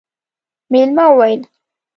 مېلمه وويل: